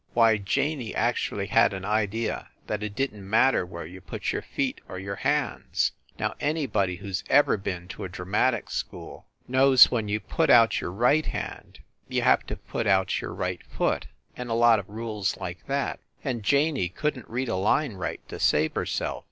Why, Janey actually had an idea that it didn t matter where you put your feet or your hands. Now, anybody who s ever been to a dramatic school knows when you put 178 FIND THE WOMAN out your right hand you have to put out your right foot, and a lot of rules like that. And Janey couldn t read a line right to save herself.